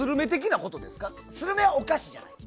スルメはお菓子じゃん。